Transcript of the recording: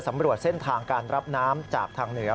สำรวจเส้นทางการรับน้ำจากทางเหนือ